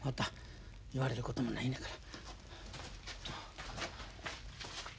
言われることもないねやから。